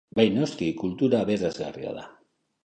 Bai noski, kultura aberasgarria da.